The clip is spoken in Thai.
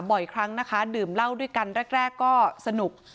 บ่อยครั้งนะคะดื่มเหล้าด้วยกันแรกก็สนุก